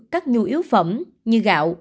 các nhu yếu phẩm như gạo